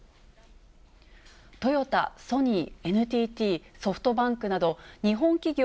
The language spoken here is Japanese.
トヨタ、ソニー、ＮＴＴ、ソフトバンクなど、日本企業